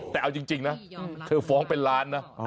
แต่เอาจริงนะเธอฟ้องเป็นล้านนะ